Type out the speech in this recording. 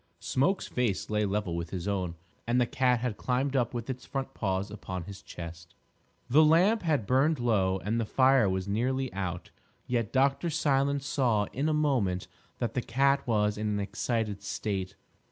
Smoke's face lay level with his own; and the cat had climbed up with its front paws upon his chest. The lamp had burned low and the fire was nearly out, yet Dr. Silence saw in a moment that the cat was in an excited state.